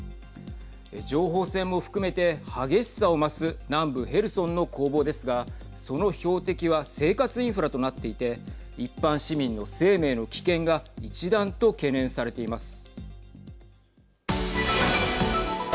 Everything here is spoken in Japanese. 情報戦も含めて激しさを増す南部ヘルソンの攻防ですがその標的は生活インフラとなっていて一般市民の生命の危険が一段と懸念されています。